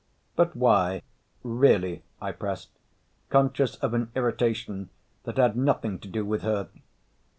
"But why, really?" I pressed, conscious of an irritation that had nothing to do with her.